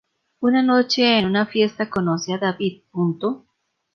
Una noche en una fiesta conoce a David.